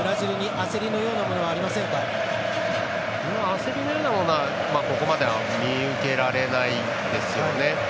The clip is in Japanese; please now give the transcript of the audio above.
焦りのようなものはここまで見受けられないですよね。